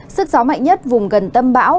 sức gió mạnh nhất vùng gần tâm bão